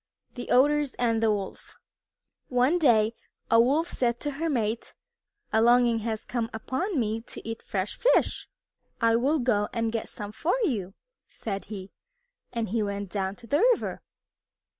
XI THE OTTERS AND THE WOLF One day a Wolf said to her mate, "A longing has come upon me to eat fresh fish." "I will go and get some for you," said he and he went down to the river.